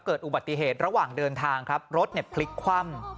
เกิดอุบัติเหตุระหว่างเดินทางครับรถพลิกคว่ำ